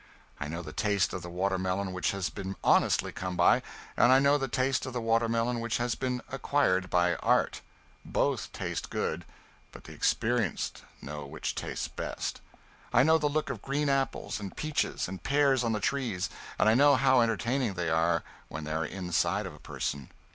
I know the taste of the watermelon which has been honestly come by, and I know the taste of the watermelon which has been acquired by art. Both taste good, but the experienced know which tastes best. I know the look of green apples and peaches and pears on the trees, and I know how entertaining they are when they are inside of a person.